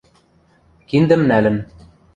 Киндӹм нӓлӹн.